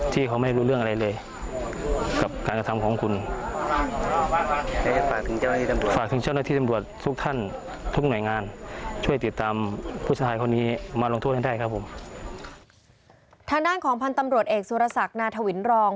ธานาคองพันธุ์ตำรวจเอกซุรสักณธวินรอง